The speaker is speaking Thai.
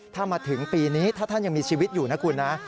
ถ้ามาถึงปีนี้ถ้าท่านยังมีชีวิตอยู่นะคุณนะ